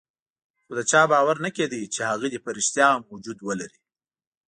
خو د چا باور نه کېده چې هغه دې په ريښتیا هم وجود ولري.